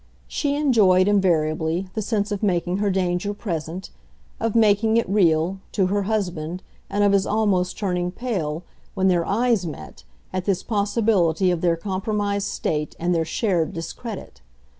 She enjoyed, invariably, the sense of making her danger present, of making it real, to her husband, and of his almost turning pale, when their eyes met, at this possibility of their compromised state and their shared discredit.